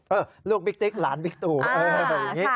เออลูกบิ๊กติ๊กหลานบิ๊กตูแบบนี้